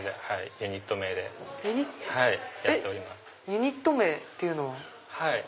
ユニット名っていうのは？